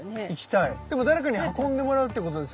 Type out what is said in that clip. でも誰かに運んでもらうってことですよね？